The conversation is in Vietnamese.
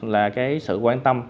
là cái sự quan tâm